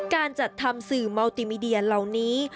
การจัดทำสื่อเมาติมีเดียเหล่านี้